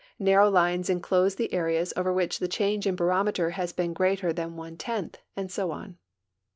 Narrow lines inclose the areas over which the change in barometer has been greater than one tenth, and so on.